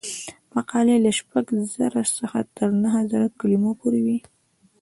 مقالې له شپږ زره څخه تر نهه زره کلمو پورې وي.